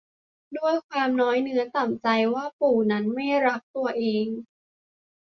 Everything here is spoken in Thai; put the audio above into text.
ด้วยความน้อยเนื้อต่ำใจว่าปู่นั้นไม่รักตนเอง